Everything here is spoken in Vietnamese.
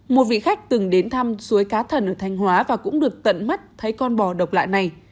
một vị khách từng đến thăm suối cá thần ở thanh hóa và cũng được tận mắt thấy con bò độc lạ này